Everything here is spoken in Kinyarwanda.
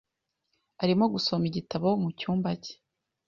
Arimo gusoma igitabo mucyumba cye .